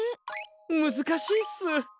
むずかしいっす。